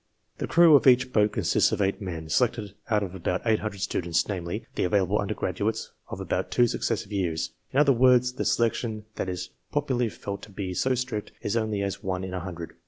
The crew of each boat consists of eight men, selected out of about 800 students ; namely, the available undergraduates of about two successive years. In other words, the selection that is popularly felt to be so strict, is only as one in a hundred.